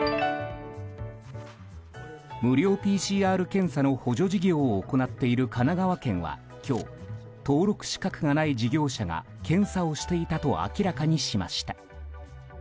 無料ＰＣＲ検査の補助事業を行っている神奈川県は今日、登録資格がない事業者が検査をしていたと明らかにしました。